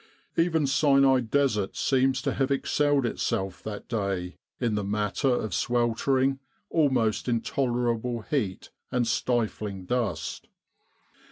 Even Sinai Desert seems to have excelled itself that day in the matter of sweltering, almost in tolerable heat, and stifling dust.